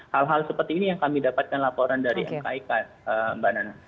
hal hal seperti ini yang kami dapatkan laporan dari mkik mbak nana